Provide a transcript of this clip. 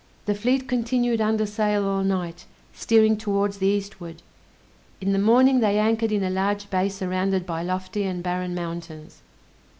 The fleet continued under sail all night, steering towards the eastward. In the morning they anchored in a large bay surrounded by lofty and barren mountains.